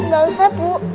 gak usah bu